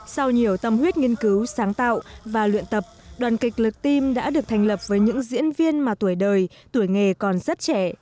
sau nhiều tâm huyết nghiên cứu sáng tạo và luyện tập đoàn kịch lực tim đã được thành lập với những diễn viên mà tuổi đời tuổi nghề còn rất trẻ